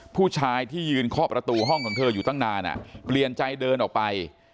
ผู้ชายที่ยืนเคาะประตูห้องของเธออยู่ตั้งนานเปลี่ยนใจเดินออกไป